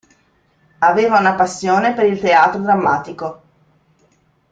Aveva una passione per il teatro drammatico.